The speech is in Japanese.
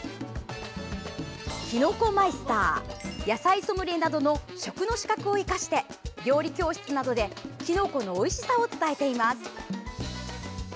きのこマイスター野菜ソムリエなどの食の資格を生かして料理教室などできのこのおいしさを伝えています。